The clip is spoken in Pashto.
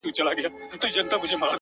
ټولو پردی کړمه؛ محروم يې له هيواده کړمه،